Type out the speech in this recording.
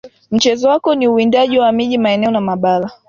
Mchezo wako ni uwindaji wa miji maeneo na mabara